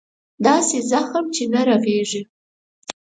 داسې زخم چې نه رغېږي.